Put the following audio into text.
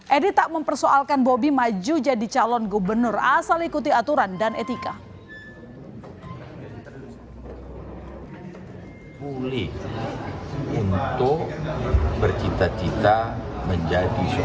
edi tak mempersoalkan bobi maju jadi calon gubernur asal ikuti aturan dan etika